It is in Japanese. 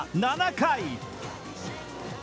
７回。